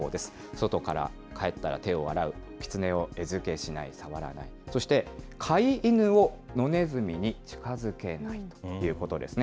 外から帰ったら手を洗う、キツネを餌付けしない、触らない、そして飼い犬を野ネズミに近づけないということですね。